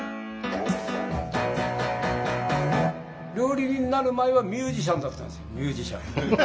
料理人になる前はミュージシャンだったんですよミュージシャン。